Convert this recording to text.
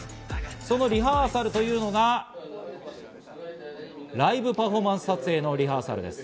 そのリハーサルというのが、ライブパフォーマンス撮影のリハーサルです。